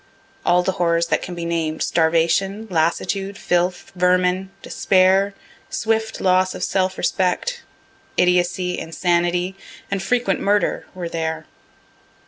All the horrors that can be named, starvation, lassitude, filth, vermin, despair, swift loss of self respect, idiocy, insanity, and frequent murder, were there.